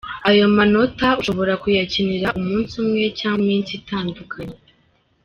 Ayo manota ushobora kuyakinira Umunsi umwe cyangwa iminsi itandukanye.